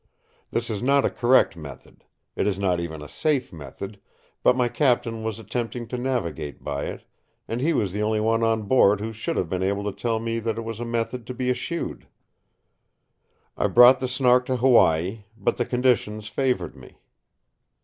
This is not a correct method. It is not even a safe method, but my captain was attempting to navigate by it, and he was the only one on board who should have been able to tell me that it was a method to be eschewed. I brought the Snark to Hawaii, but the conditions favoured me.